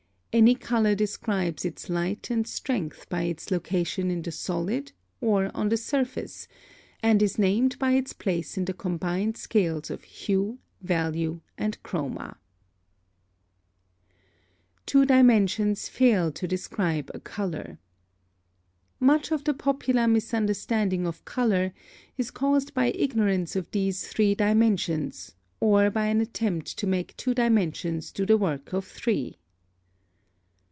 Any color describes its light and strength by its location in the solid or on the surface, and is named by its place in the combined scales of hue, value, and chroma. [Footnote 4: See frontispiece.] +Two dimensions fail to describe a color.+ (13) Much of the popular misunderstanding of color is caused by ignorance of these three dimensions or by an attempt to make two dimensions do the work of three.